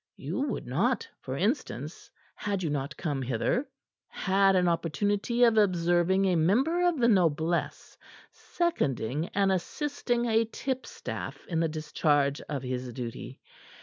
You would not, for instance, had you not come hither, have had an opportunity of observing a member of the noblesse seconding and assisting a tipstaff in the discharge of his duty.